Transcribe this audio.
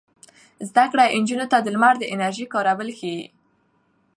زده کړه نجونو ته د لمر د انرژۍ کارول ښيي.